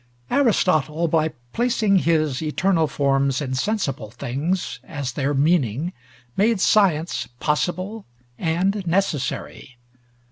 Aristotle, by placing his eternal forms in sensible things as their meaning, made science possible and necessary.